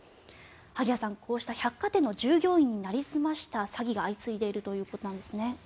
萩谷さん、こうした百貨店の従業員になりすました詐欺が相次いでいるということなんですね。